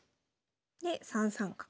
で３三角。